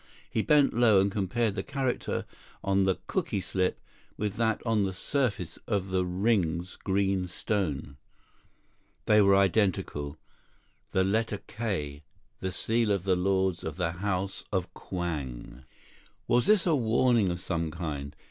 He bent low, and compared the character on the cooky slip with that on the surface of the ring's green stone. They were identical—the letter "K!"—the seal of the lords of the House of Kwang. Was this a warning of some kind?